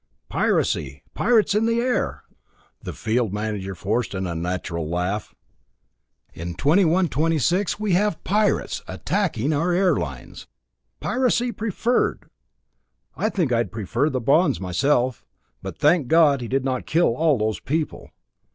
"Piracy! Pirates in the air!" The field manager forced an unnatural laugh. "In 2126 we have pirates attacking our air lines. Piracy Preferred! I think I'd prefer the bonds myself. But thank God he did not kill all those people.